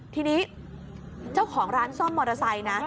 ทีนี้เจ้าของร้านซ่อมมอเตอร์ไซค์นะ